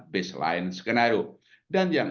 baseline skenario dan yang